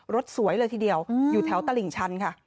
สวยเลยทีเดียวอยู่แถวตลิ่งชันค่ะ